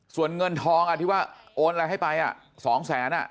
ส่วนเงินทองที่ว่าโอนอะไรให้ไป๒แสน